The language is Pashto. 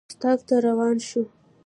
رُستاق ته روان شو.